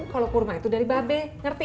kalau kurma itu dari babe ngerti